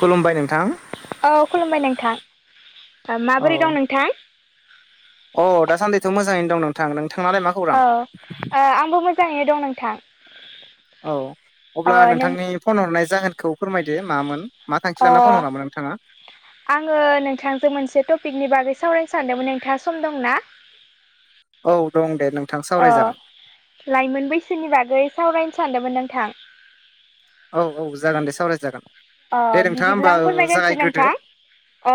खुलुमबाय नोंथां औ खुलुमबाय नोंथां औ माबोरै दं नोंथां? अ दासानदैथ‌' मोजाङैनो दं नोंथां नोंथांनालाय मा औ खौरां आंबो मोजाङैनो दं नोंथां औ ओ अब्ला नों नोंथांनि फन हरनाय जाहोनखौ फोरमायदो मामोन। मा थांखि अ लाना फन हरामोन नोंथाङा? आङो नोंथांजों मोनसे टपिकनि बागै सावरायनो सानदोंमोन नोंथाङा सम दंना? औ दं दे नोंथां अ सावराय जागोन। लाइमोन बैसोनि बागै सावरायनो सानदोंमोन नोंथां। औ औ जागोन दे सावरायजागोन। अ दे नोंथाङा बिदिब्ला होमबा आं ओ फोरमायग्रोनोसै जागायग्रोदो नोंथां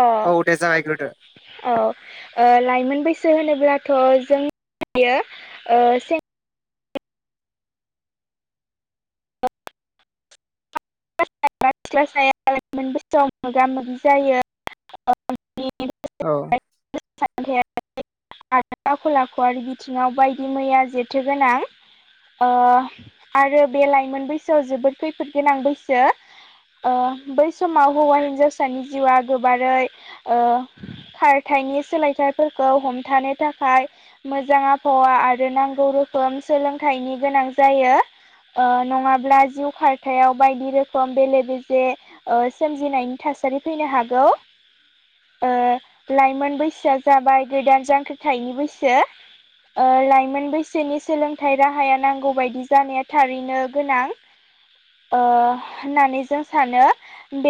अ दे जागायग्रोदो। औ ओ लाइमोन बैसो होनोब्लाथ जों यो ओ सें [unintelligible] सिख्ला साया लायमोन बैसोआव मोगा मोगि जायो। [unintelligible] औ [unintelligible] आरो आखल आखु आरो बिथिङाव बायदि मैया जेथोगोनां ओ आरो बे लाइमोन बैसोआव जोबोद खैफोद गोनां बैसो। ओ बै समाव हौवा हिन्जावसानि जिउआ गोबारै ओ खारथायनि सोलायथायाइफोरखौ हमथानो थाखाय मोजां आबहावा आरो नांगौ रोखोम सोलोंथाइनि गोनां जायो। ओ नङाब्ला जिउ खारथायाव बायदि रोखो म बेले बेजे सोमजिनायनि थासारि फैनो हागौ। ओ लाइमोन बैसोआ जाबाय गोदान जांख्रिथायनि बैसो। ओ लाइमोन बैसोनि सोलोंथाइ राहाया नांगौ बदि जानाया थारैनो गोनां ओ होननानै जों सानो। बे